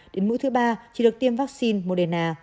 đến mũi thứ ba chỉ được tiêm vaccine moderna